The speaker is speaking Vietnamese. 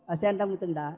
aten trong cái tầng đá